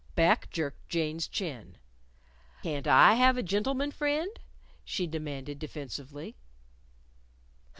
Back jerked Jane's chin. "Can't I have a gentleman friend?" she demanded defensively.